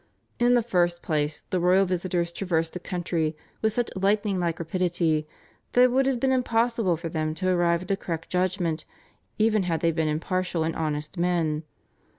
In the first place the royal visitors traversed the country with such lightning like rapidity that it would have been impossible for them to arrive at a correct judgment even had they been impartial and honest men.